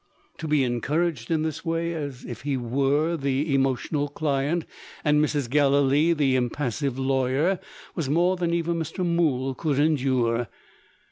To be encouraged in this way as if he was the emotional client, and Mrs. Gallilee the impassive lawyer was more than even Mr. Mool could endure.